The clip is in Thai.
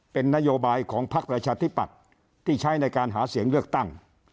เป็นนโยบายของพักประชาธิปัตย์ที่ใช้ในการหาเสียงเลือกตั้ง